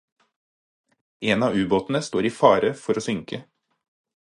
En av atomubåtene står i fare for å synke.